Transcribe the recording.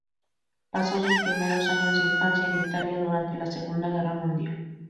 Pasó sus primeros años de infancia en Italia, durante la Segunda Guerra Mundial.